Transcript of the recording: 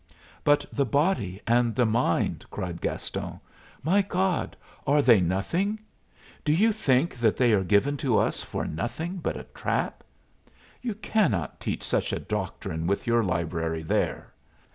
"But the body and the mind!" cried Gaston. "My God, are they nothing? Do you think that they are given to us for nothing but a trap? You cannot teach such a doctrine with your library there.